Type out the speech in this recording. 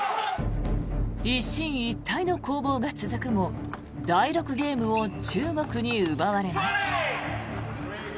一進一退の攻防が続くも第６ゲームを中国に奪われます。